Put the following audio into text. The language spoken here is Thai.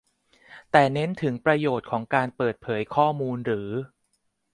แต่เน้นถึงประโยชน์ของการเปิดเผยข้อมูลหรือ